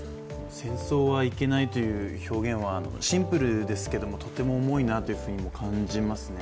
戦争はいけないという表現はシンプルですけどもとても重いなとも感じますね。